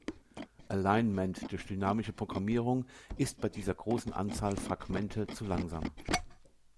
Alignment durch dynamische Programmierung ist bei dieser großen Anzahl Fragmente zu langsam.